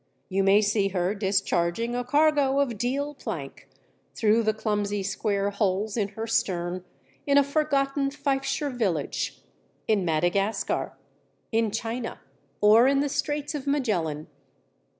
You may see her discharging a cargo of deal plank, through the clumsy square holes in her stern, in a forgotten Fifeshire village, in Madagascar, in China, or in the Straits of Magellan.